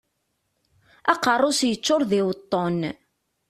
Aqerru-s yeččuṛ d iweṭṭen.